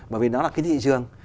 bởi vì đó là cái thị trường